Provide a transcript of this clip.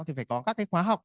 thì phải có các cái khóa học